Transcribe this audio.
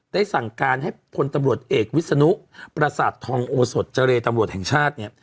ได้สั่งการให้พลตำรวจเอกวิศนุประสาททองโอสดเจรตำรวจแห่งชาติเนี่ย